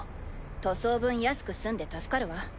塗装分安く済んで助かるわ。